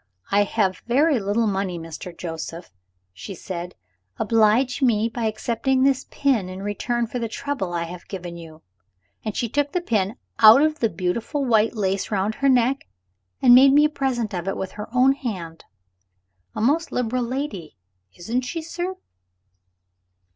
'I have very little money, Mr. Joseph,' she said; 'oblige me by accepting this pin in return for the trouble I have given you.' And she took the pin out of the beautiful white lace round her neck, and made me a present of it with her own hand. A most liberal lady, isn't she, sir?"